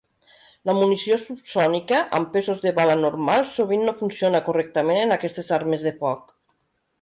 La munició subsònica amb pesos de bala normals sovint no funciona correctament en aquestes armes de foc.